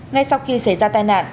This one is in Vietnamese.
ngay sau khi xảy ra tai nạn